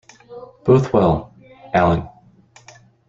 Both well - Alan.